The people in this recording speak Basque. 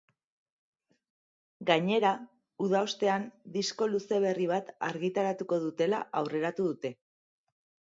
Gainera, uda ostean disko luze berri bat argitaratuko dutela aurreratu dute.